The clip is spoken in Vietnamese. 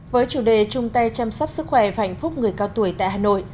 với chủ đề trung tay chăm sóc sức khỏe và hạnh phúc người cao tuổi tại hà nội